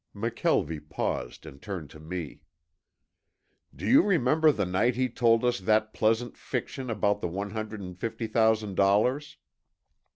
McKelvie paused and turned to me. "Do you remember the night he told us that pleasant fiction about the one hundred and fifty thousand dollars?